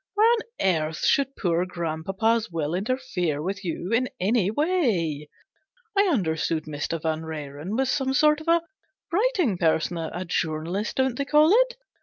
Why on earth should poor grandpapa's will interfere with you in any way ? I understood Mr. Vanrenen was some sort of a writing person a journalist, don't they call it